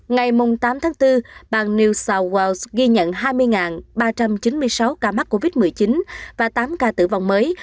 ngày tám tháng bốn bang new south wales ghi nhận hai mươi ba trăm chín mươi sáu ca mắc covid một mươi chín và tám ca tử vong mới